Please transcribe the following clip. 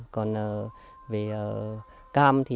còn về cam thì